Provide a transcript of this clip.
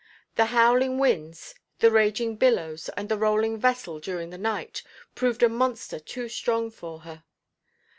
The howling winds, the raging billows and the rolling vessel during the night proved a monster too strong for her.